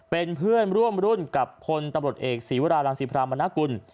เป็นเพื่อนร่วมรุ่นกับพลตำรวจเอกศีวรารังศิพรามนากุล